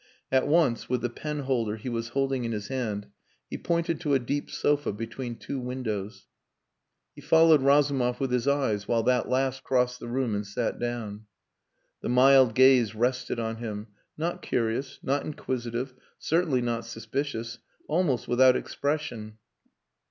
At once, with the penholder he was holding in his hand, he pointed to a deep sofa between two windows. He followed Razumov with his eyes while that last crossed the room and sat down. The mild gaze rested on him, not curious, not inquisitive certainly not suspicious almost without expression.